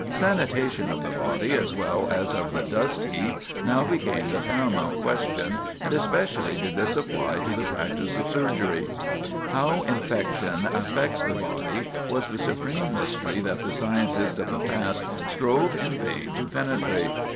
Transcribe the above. Sanitation of the body as well as of the dust heap now became the paramount question and especially did this apply to the practice of surgery. [Sidenote: The Mystery of Infection] How infection affects the body was the supreme mystery that the scientists of the past strove in vain to penetrate.